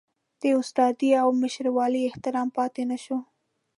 د استادۍ او مشرولۍ احترام پاتې نشو.